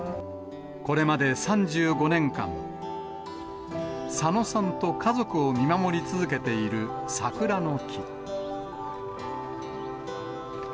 これまで３５年間、佐野さんと家族を見守り続けている桜の木。